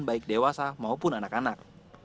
baik dewasa maupun anak anak